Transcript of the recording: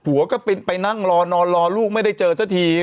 ก็เป็นไปนั่งรอนอนรอลูกไม่ได้เจอสักที